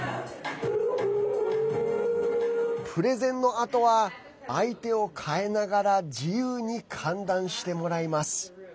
プレゼンのあとは相手をかえながら自由に歓談してもらいます。